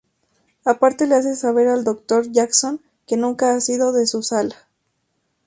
Aparte le hace saber al doctor Jackson que nunca ha salido de su sala.